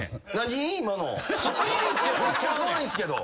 めっちゃ怖いんすけど。